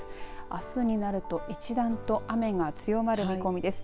あすになると一段と雨が強まる見込みです。